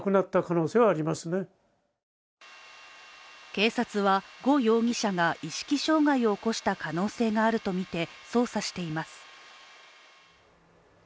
警察は呉容疑者が意識障害を起こした可能性があるとみて捜査しています。